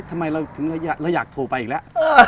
ทำไมเราถึงเราอยากโทรไปอีกแล้ว